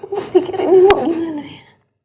kamu pikirin emang gimana ya